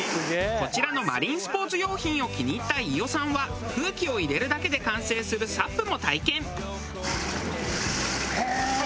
こちらのマリンスポーツ用品を気に入った飯尾さんは空気を入れるだけで完成するＳＵＰも体験。